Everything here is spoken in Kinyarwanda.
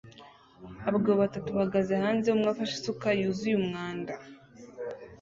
Abagabo batatu bahagaze hanze umwe afashe isuka yuzuye umwanda